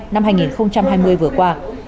năm hai nghìn hai mươi vừa qua